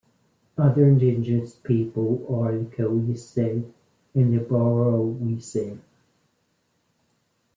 Other indigenous people are the Kociewiacy and the Borowiacy.